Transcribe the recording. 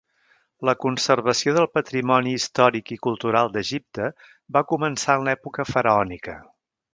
La conservació del patrimoni històric i cultural d'Egipte va començar en l'època faraònica.